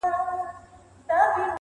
زورورو د کمزورو برخي وړلې -